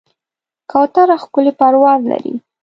کوتره ښکلی پرواز لري.